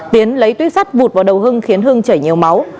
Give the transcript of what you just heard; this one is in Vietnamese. tiến lấy tuy sắt vụt vào đầu hưng khiến hưng chảy nhiều máu